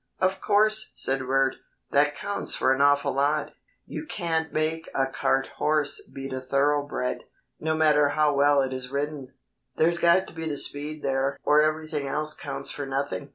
"Of course," said Bert, "that counts for an awful lot. You can't make a cart horse beat a thoroughbred, no matter how well he is ridden. There's got to be the speed there or everything else counts for nothing.